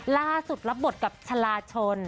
ล่าสุดรับบทกับชะลาชน